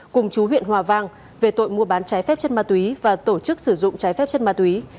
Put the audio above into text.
cùng chú huyện hòa vang về tội mua bán trái phép chất ma túy và tổ chức sử dụng trái phép chất ma túy